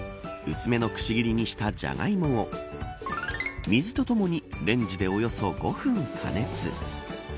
薄めのくし切りにした、じゃがいもを水とともにレンジでおよそ５分加熱。